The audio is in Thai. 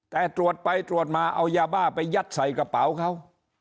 แต่ตรวจไปตรวจมาเอายาบ้าไปยัดใส่กระเป๋าเขา